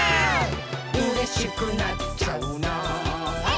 「うれしくなっちゃうなーっあっ